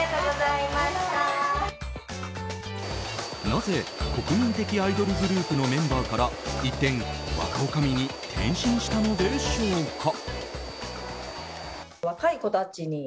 なぜ国民的アイドルグループのメンバーから一転若おかみに転身したのでしょうか。